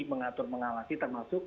mengatur mengawasi termasuk